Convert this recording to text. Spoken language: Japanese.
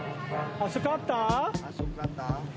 熱かった？